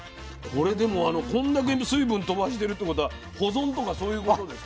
これでもこんだけ水分飛ばしてるってことは保存とかそういうことですか？